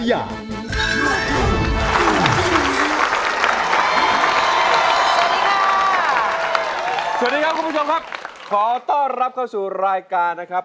เราต้อนรับเข้าสู่รายการนะครับ